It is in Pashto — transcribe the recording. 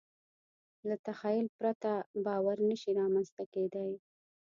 له تخیل پرته باور نهشي رامنځ ته کېدی.